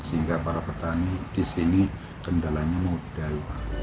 sehingga para petani di sini kendalanya mudah